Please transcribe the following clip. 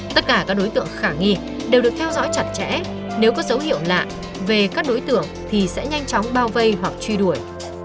tất cả các đối tượng khả nghi đều được theo dõi chặt chẽ nếu có dấu hiệu lạ về các đối tượng thì sẽ nhanh chóng bao vây hoặc truy đuổi